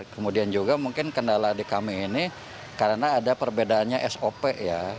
kemudian juga mungkin kendala di kami ini karena ada perbedaannya sop ya